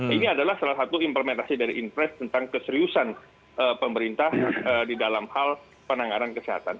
ini adalah salah satu implementasi dari impres tentang keseriusan pemerintah di dalam hal penanganan kesehatan